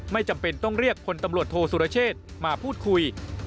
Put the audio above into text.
ไม่จำเป็นต้องเรียกพลตำรวจโทษสุรเชษมาพูดคุย